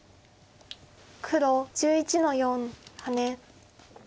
黒１１の四ハネ。